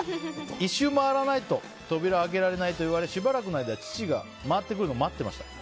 １周回らないと扉を開けられないと言われしばらくの間、父が回ってくるのを待ってました。